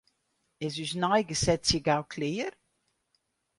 Is ús neigesetsje gau klear?